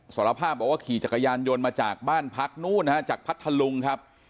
สารภาพบอกว่าขี่จักรยานยนต์มาจากบ้านพักนู้นนะฮะจากพัทธลุงครับ